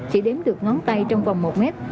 chỉ đếm được ngón tay trong vòng một mét